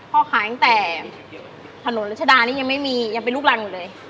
พ่อขายตั้งแต่ถนนรัชดานี่ยังไม่มียังเป็นลูกรังอยู่เลย